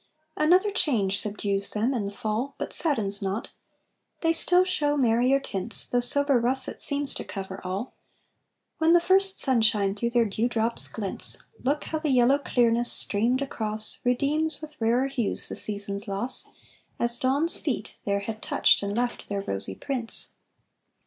Another change subdues them in the Fall, But saddens not; they still show merrier tints, Though sober russet seems to cover all; When the first sunshine through their dew drops glints, Look how the yellow clearness, streamed across, Redeems with rarer hues the season's loss, As Dawn's feet there had touched and left their rosy prints.